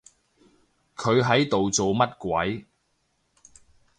佢喺度做乜鬼？